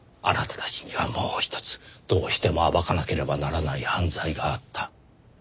あなたたちにはもうひとつどうしても暴かなければならない犯罪があった。